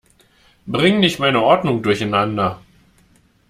Bring nicht meine Ordnung durcheinander!